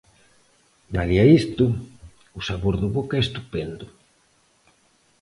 Malia isto, o sabor de boca é estupendo.